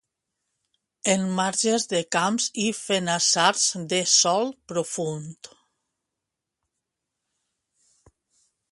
En marges de camps i fenassars de sòl profund.